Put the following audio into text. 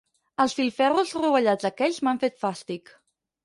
Els filferros rovellats aquells m'han fet fàstic.